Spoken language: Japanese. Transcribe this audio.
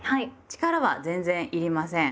力は全然要りません。